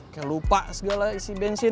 kayaknya lupa segala isi bensin